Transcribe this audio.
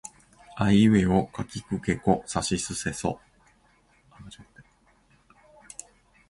あいうえおかきくけこさしせそ